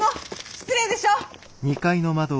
失礼でしょ！